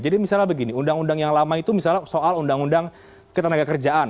jadi misalnya begini undang undang yang lama itu misalnya soal undang undang ketenagakerjaan